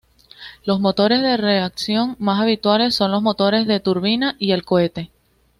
Los motores de reacción más habituales son los motores de turbina y el cohete.